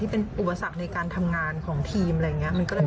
เป็นอุปสรรคในการทำงานของทีมอะไรอย่างนี้